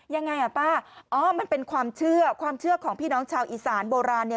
ยังไงป้าอ๋อมันเป็นความเชื่อความเชื่อของพี่น้องชาวอีสานโบราณ